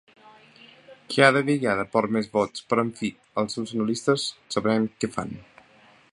Cada vegada perd més vots, però en fi, els seus analistes sabran què fan.